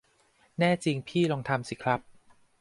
แน่จริงพี่ลองทำสิครับ